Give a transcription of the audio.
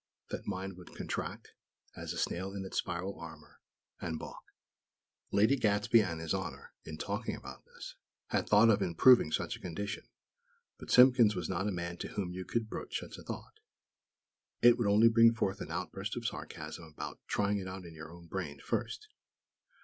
that mind would contract, as a snail in its spiral armor and balk. Lady Gadsby and His Honor, in talking about this, had thought of improving such a condition; but Simpkins was not a man to whom you could broach such a thought. It would only bring forth an outburst of sarcasm about "trying it on your own brain, first."